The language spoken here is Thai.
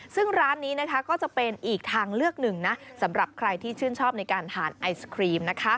ซึ่งร้านนี้ก็จะเป็นอีกทางเลือกหนึ่งนะสำหรับใครที่ชื่นชอบในการทานไอศครีม